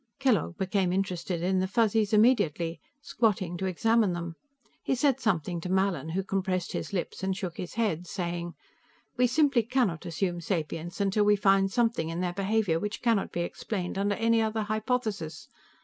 Kellogg became interested in the Fuzzies immediately, squatting to examine them. He said something to Mallin, who compressed his lips and shook his head, saying: "We simply cannot assume sapience until we find something in their behavior which cannot be explained under any other hypothesis.